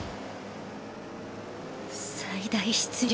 最大出力。